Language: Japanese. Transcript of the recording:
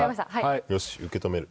よし受け止める。